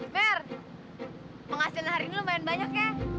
fair penghasilan hari ini lumayan banyak ya